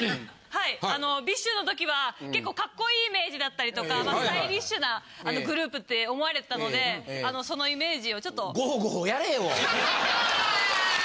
はいあのＢｉＳＨの時は結構かっこいいイメージだったりとかスタイリッシュなグループって思われてたのでそのイメージをちょっと。